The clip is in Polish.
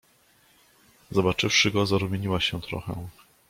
"Zobaczywszy go zarumieniła się trochę."